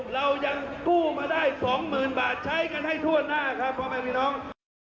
เรายังคู่มาได้๒หมื่นบาทใช้กันให้ทั่วหน้าค่ะพร้อมครับพี่น้อง